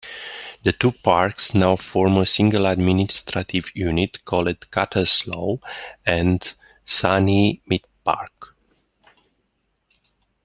The two parks now form a single administrative unit called Cutteslowe and Sunnymead Park.